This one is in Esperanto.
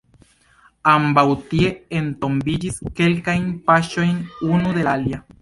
Ambaŭ tie entombiĝis, kelkajn paŝojn unu de la alia.